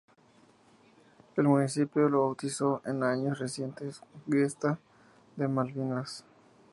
El municipio lo bautizo, en años recientes, "Gesta de Malvinas".